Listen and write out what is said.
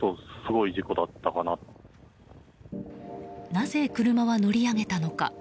なぜ、車は乗り上げたのか。